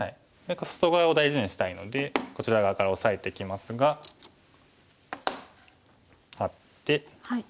外側を大事にしたいのでこちら側からオサえてきますがハッて。